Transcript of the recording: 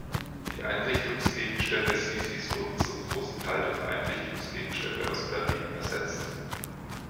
Die Einrichtungsgegenstände Sisis wurden zum großen Teil durch Einrichtungsgegenstände aus Berlin ersetzt.